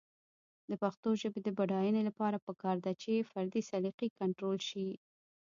د پښتو ژبې د بډاینې لپاره پکار ده چې فردي سلیقې کنټرول شي.